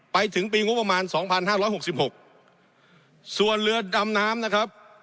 ไปถึงปีงบประมาณสองพันห้าร้อยหกสิบหกส่วนเรือดำน้ำนะครับ